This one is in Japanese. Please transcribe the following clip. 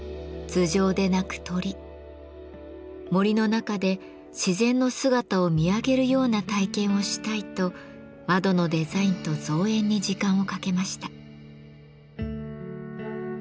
「森の中で自然の姿を見上げるような体験をしたい」と窓のデザインと造園に時間をかけました。